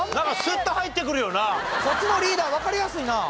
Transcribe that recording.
そっちのリーダーわかりやすいな。